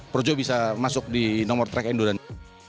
pro jawa bisa masuk di nomor track endurance